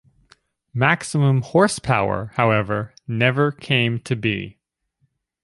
"Maximum Horsepower", however, never came to be.